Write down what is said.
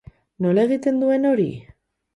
Nola egiten duen hori?